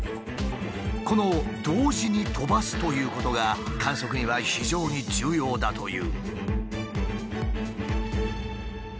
この「同時に飛ばす」ということが観測には非常に重要だという。